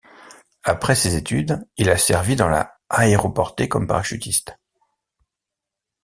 Après ses études, il a servi dans la aéroportée comme parachutiste.